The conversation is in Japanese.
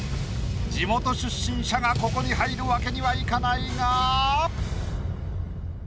地元出身者がここに入るわけにはいかないが。